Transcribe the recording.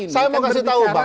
saya mau kasih tahu bang